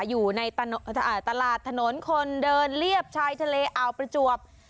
อยู่ในตลาดถนนคนเดินเรียบชายทะเลอาวประจวบ